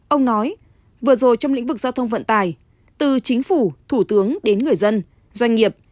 ông nói vừa rồi trong lĩnh vực giao thông vận tài từ chính phủ thủ tướng đến người dân doanh nghiệp